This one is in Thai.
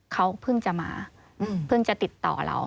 เขาเพิ่งจะมาเพิ่งจะติดต่อเรา